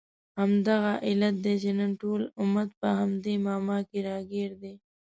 همدغه علت دی چې نن ټول امت په همدې معما کې راګیر دی.